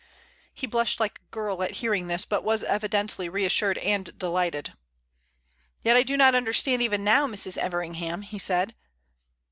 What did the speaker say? He blushed like a girl at hearing this, but was evidently reassured and delighted. "Yet I do not understand even now, Mrs. Everingham," he said.